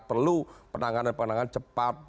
perlu penanganan penanganan cepat